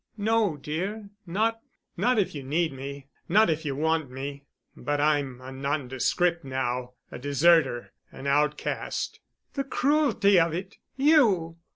"No, dear—not—not if you need me—not if you want me. But I'm a nondescript now—a deserter—an outcast." "The cruelty of it! You!"